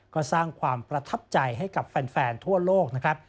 ก็สร้างความประทับใจให้กับแฟนทั่วโลกนะครับ